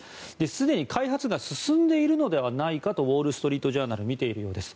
すでに開発が進んでいるのではないかとウォール・ストリート・ジャーナルは見ているようです。